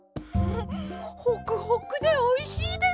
ホクホクでおいしいです！